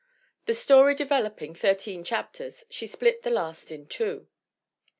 The story developing thirteen chapters, she split the last in two.